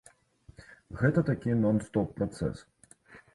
Гэта такі нон-стоп працэс.